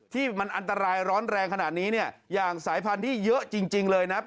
ที่มันอันตรายร้อนแรงขนาดนี้เนี่ยอย่างสายพันธุ์ที่เยอะจริงเลยนะครับ